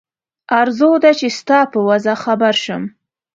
آرزو ده چې ستا په وضع خبر شم.